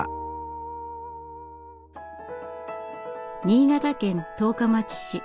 新潟県十日町市。